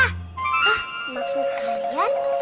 hah maksud kalian